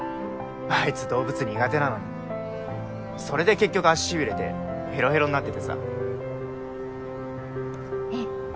あいつ動物苦手なのにそれで結局足しびれてヘロヘロになっててさえっ